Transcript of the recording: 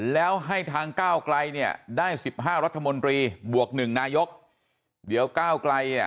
แล้วให้ทางก้าวไกลเนี่ยได้๑๕รัฐมนตรีบวก๑นายกเดี๋ยวก้าวไกล